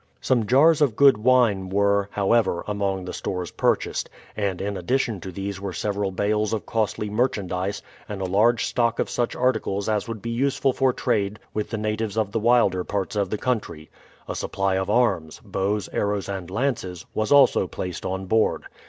Some jars of good wine were, however, among the stores purchased, and in addition to these were several bales of costly merchandise and a large stock of such articles as would be useful for trade with the natives of the wilder parts of the country. A supply of arms bows, arrows, and lances was also placed on board.